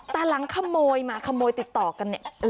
ตาหลังมาขโมยติดต่อกันเนี่ย